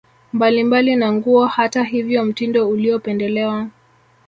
mbalimbali na nguo Hata hivyo mtindo uliopendelewa